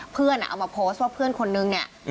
เอามาโพสต์ว่าเพื่อนคนนึงเนี่ย